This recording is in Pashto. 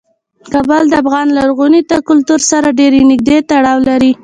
کابل د افغان لرغوني کلتور سره ډیر نږدې تړاو لري.